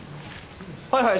はいはい？